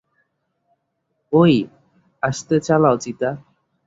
ওই, আসতে চালাও, চিতা।